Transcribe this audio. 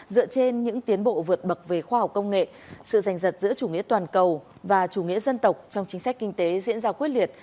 dựa trên những tiến bộ vượt bậc về khoa học công nghệ sự giành giật giữa chủ nghĩa toàn cầu và chủ nghĩa dân tộc trong chính sách kinh tế diễn ra quyết liệt